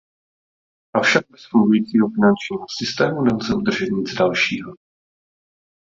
Avšak bez fungujícího finančního systému nelze udržet nic dalšího.